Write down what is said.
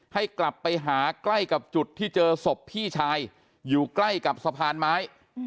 ให้กลับไปหาใกล้กับจุดที่เจอศพพี่ชายอยู่ใกล้กับสะพานไม้